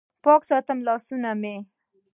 پاک ساتم لاسونه مې